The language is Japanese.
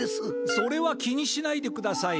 それは気にしないでください。